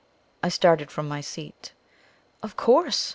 I started up from my seat. "Of course!"